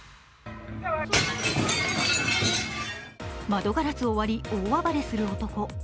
窓ガラスを割り大暴れする男。